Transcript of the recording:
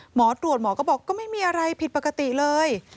หมอตรวจหมอก็บอกก็ไม่มีอะไรผิดปกติเลย